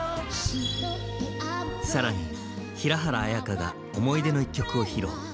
更に平原綾香が思い出の一曲を披露。